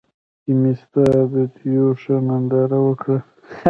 چې مې ستا د تېو ښه ننداره وکــړه